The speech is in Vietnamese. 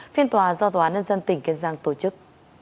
phiên tòa do tòa án nhân dân tỉnh kiên giang tổ chức